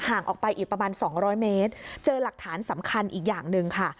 ห่างออกไปอีกประมาณ๒๐๐เมตรเจอหลักฐานสำคัญอีกอย่างหนึ่งค่ะ